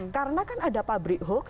karena kan ada pabrik hoax